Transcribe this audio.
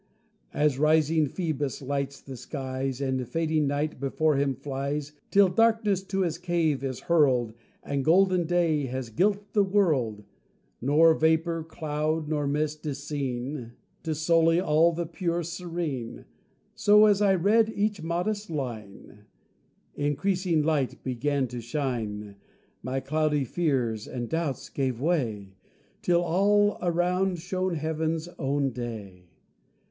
As rising Phoebus lights the skies, And fading night before him flies, Till darkness to his cave is hurled And golden day has gilt the world, Nor vapour, cloud, nor mist is seen To sully all the pure serene: So, as I read each modest line, Increasing light began to shine, My cloudy fears and doubts gave way, Till all around shone Heaven's own day.